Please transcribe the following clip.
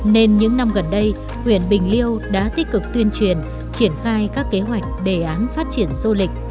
nên những năm gần đây huyện bình liêu đã tích cực tuyên truyền triển khai các kế hoạch đề án phát triển du lịch